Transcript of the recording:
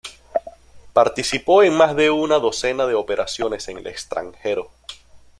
Participó en más de una docena de operaciones en el extranjero.